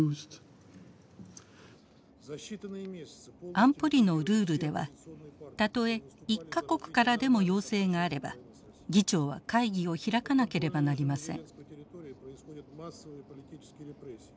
安保理のルールではたとえ１か国からでも要請があれば議長は会議を開かなければなりません。